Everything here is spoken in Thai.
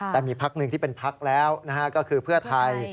แต่มีภักดิ์หนึ่งที่เป็นภักดิ์แล้วก็คือเพื่อไทย